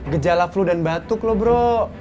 gejala flu dan batuk loh bro